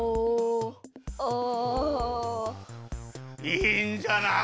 いいんじゃない？